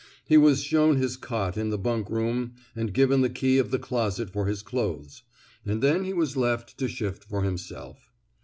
He was shown his cot in the bunk room and given the key of the closet for his clothes, and then he was left to shift for himself.